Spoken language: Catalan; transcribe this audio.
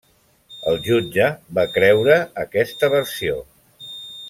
El jutge va creure aquesta versió.